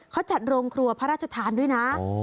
เขาจัดโรงครัวพระราชทานด้วยนะ